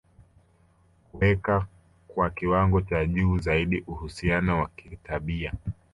kuweka kwa kiwango cha juu zaidi uhusiano wa kitabia